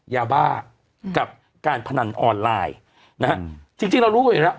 ยาบ้ากับการพนันออนไลน์นะฮะจริงจริงเรารู้อยู่แล้ว